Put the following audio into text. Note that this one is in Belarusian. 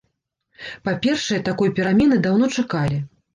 Па-першае, такой перамены даўно чакалі.